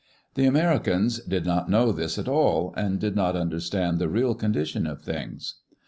The Americans did not know this at all, and did not understand the real condition of things.